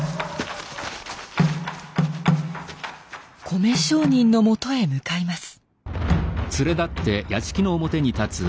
米商人のもとへ向かいます。